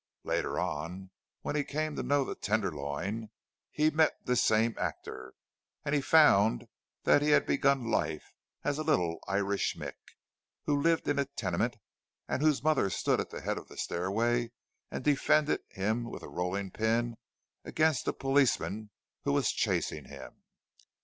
Later on, when he came to know the "Tenderloin," he met this same actor, and he found that he had begun life as a little Irish "mick" who lived in a tenement, and whose mother stood at the head of the stairway and defended him with a rolling pin against a policeman who was chasing him.